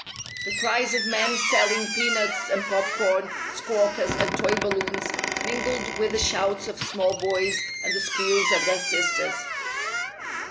The cries of men selling peanuts and popcorn, squawkers and toy balloons, mingled with the shouts of small boys and the squeals of their sisters.